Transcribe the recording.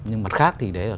nhưng mặt khác thì đấy là